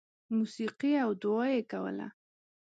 • موسیقي او دعا یې کوله.